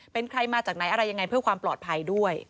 เป็นใครมาจากไหนอะไรยังไงเพื่อความปลอดภัยด้วย